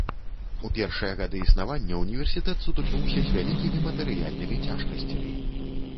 У першыя гады існавання ўніверсітэт сутыкнуўся з вялікімі матэрыяльнымі цяжкасцямі.